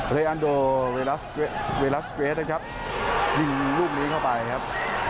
เรอันโดเวลาสเกรสนะครับยิงรูปนี้เข้าไปครับ